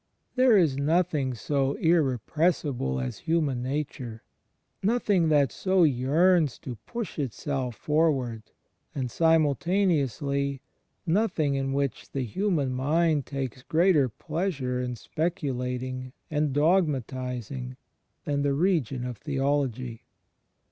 There is nothing so irrepress ible as human nature; nothing that so yearns to push itself forward; and, simultaneously, nothing in which the human mind takes greater pleasure in specu lating and dogmatizing than the region of theology.